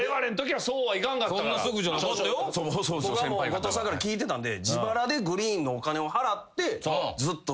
僕はもう後藤さんから聞いてたんで。